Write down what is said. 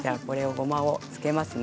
ごまをつけますね。